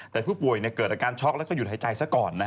แต่ผู้ป่วยเกิดอาการช็อกแล้วก็หยุดหายใจซะก่อน